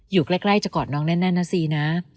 อยู่ใกล้จะกอดน้องแน่นนะซีนะ